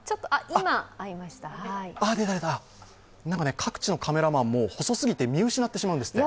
各地のカメラマンも細すぎて見失ってしまうんですって。